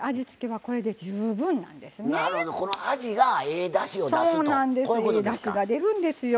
ええだしが出るんですよ。